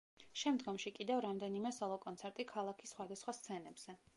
შემდგომში კიდევ რამდენიმე სოლო კონცერტი ქალაქის სხვადასხვა სცენებზე.